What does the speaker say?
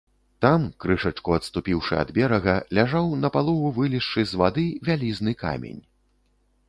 Там, крышачку адступіўшы ад берага, ляжаў, напалову вылезшы з вады, вялізны камень.